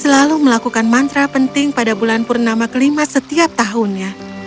dan aku akan melakukan mantra penting pada bulan purnama kelima setiap tahunnya